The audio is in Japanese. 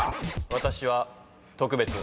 「私は特別」